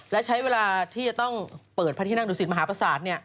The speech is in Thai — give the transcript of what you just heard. และใช้เวลาที่จะต้องเปิดพระที่นั่งดุสิตมหาประสาท